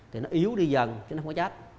thì nó yếu đi dần chứ nó có chết